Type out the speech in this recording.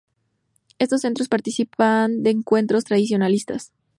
Estos centros participan de encuentros tradicionalistas.